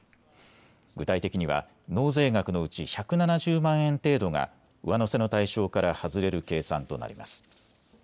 具体的には納税額のうち１７０万円程度が上乗せの対象から外れる計算となります。